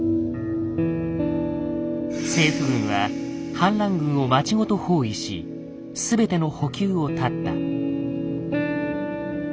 政府軍は反乱軍を街ごと包囲し全ての補給を断った。